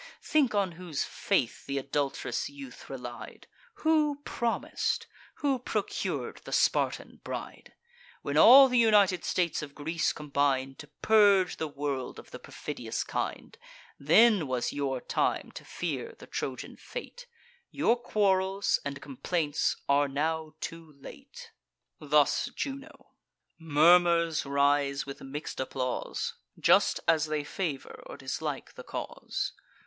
Think on whose faith th' adult'rous youth relied; Who promis'd, who procur'd, the Spartan bride? When all th' united states of Greece combin'd, To purge the world of the perfidious kind, Then was your time to fear the Trojan fate: Your quarrels and complaints are now too late." Thus Juno. Murmurs rise, with mix'd applause, Just as they favour or dislike the cause.